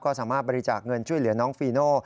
ก็สามารถบริจาคเงินช่วยเหลือน้องฟีโน่